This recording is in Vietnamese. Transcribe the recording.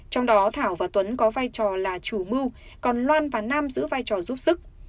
trong đó thảo và tuấn có vai trò là chủ mưu còn loan và nam giữ vai trò giúp sức